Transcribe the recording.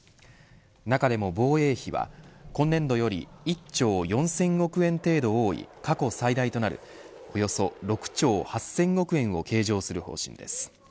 中でも、防衛費は今年度より１兆４０００億円程度多い過去最大となるおよそ６兆８０００億円を計上する方針です。